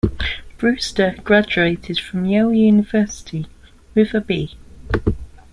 Brewster graduated from Yale University with a B.